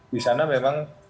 di sana memang